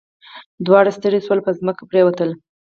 دواړه ستړي شول او په ځمکه پریوتل.